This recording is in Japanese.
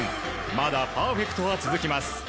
まだパーフェクトは続きます。